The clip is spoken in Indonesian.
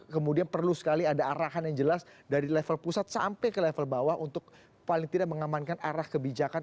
kemudian perlu sekali ada arahan yang jelas dari level pusat sampai ke level bawah untuk paling tidak mengamankan arah kebijakan